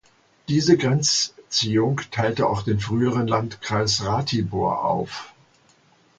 Diese Grenzziehung teilte auch den früheren Landkreis Ratibor auf.